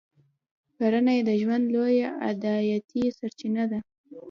کرنه یې د ژوند لویه عایداتي سرچینه ده.